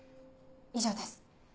以上です。